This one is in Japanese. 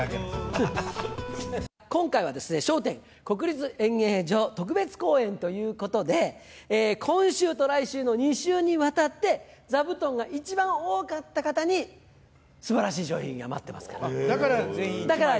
今回はですね、笑点国立演芸場特別公演ということで、今週と来週の２週にわたって座布団が一番多かった方に、だから全員１枚から？